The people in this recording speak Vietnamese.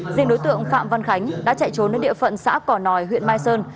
riêng đối tượng phạm văn khánh đã chạy trốn đến địa phận xã cỏ nòi huyện mai sơn